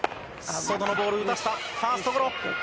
外のボール、打たせた、ファーストゴロ。